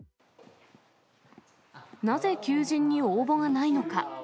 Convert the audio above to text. なぜ求人に応募がないのか。